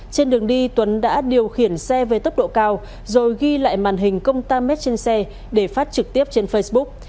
trên đường đi tuấn đã điều khiển xe với tốc độ cao rồi ghi lại màn hình công tác met trên xe để phát trực tiếp trên facebook